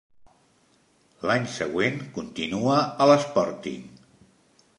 L'any següent continua a l'Sporting.